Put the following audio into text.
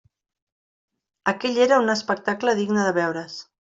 Aquell era un espectacle digne de veure's.